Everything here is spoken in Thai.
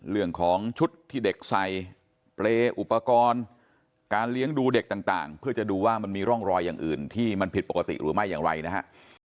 เรื่องของชุดที่เด็กใส่เปรย์อุปกรณ์การเลี้ยงดูเด็กต่างเพื่อจะดูว่ามันมีร่องรอยอย่างอื่นที่มันผิดปกติหรือไม่อย่างไรนะฮะ